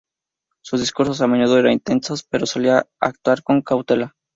Sus discursos a menudo eran intensos, pero solía actuar con cautela.